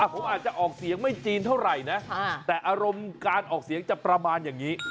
ผมอาจจะออกเสียงไม่จีนเท่าไหร่นะแต่อารมณ์การออกเสียงจะประมาณอย่างนี้